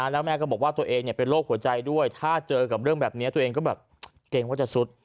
แล้วแม่ก็บอกว่าตัวเองเป็นโรคหัวใจด้วยถ้าเจอกับเรื่องแบบนี้ตัวเองก็แบบเกรงว่าจะสุด